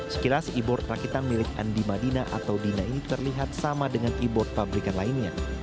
sekilas e board rakitan milik andi madina atau dina ini terlihat sama dengan e board pabrikan lainnya